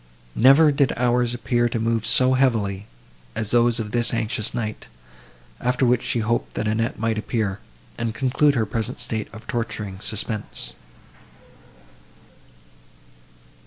Never did hours appear to move so heavily, as those of this anxious night; after which she hoped that Annette might appear, and conclude her present state of torturing suspense.